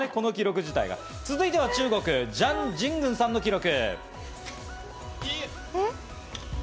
続いては中国、ジャン・ジングンさんの記録。